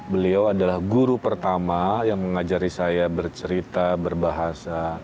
beliau adalah guru pertama yang mengajari saya bercerita berbahasa